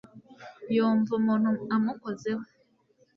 yumva umuntu amukozeho